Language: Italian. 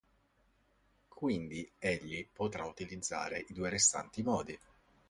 Quindi, egli potrà utilizzare i restanti due modi.